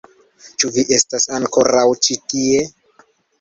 Ĉu vi estas ankoraŭ ĉi tie?